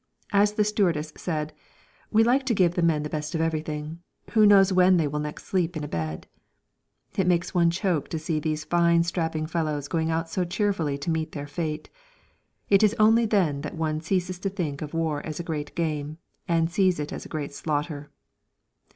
As the stewardess said: "We like to give the men the best of everything. Who knows when they will next sleep in a bed?" It makes one choke to see these fine strapping fellows going out so cheerfully to meet their fate. It is only then that one ceases to think of war as a great game, and sees it as a great slaughter!